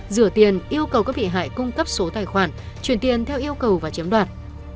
rửa tiền yêu cầu các bị hại cung cấp số tài khoản chuyển tiền theo yêu cầu và chiếm đoạt